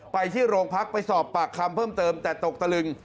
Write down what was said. ไปที่โรงพักไปสอบปากคำเพิ่มเติมแต่ตกตะลึง